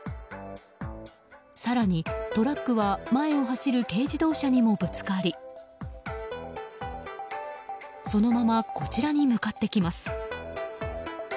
更にトラックは前を走る軽自動車にもぶつかりそのままこちらに向かってきます。